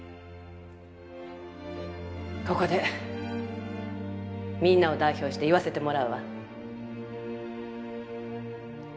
ここでみんなを代表して言わせてもらうわ。